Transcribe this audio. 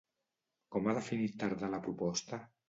Com ha definit Tardà la proposta?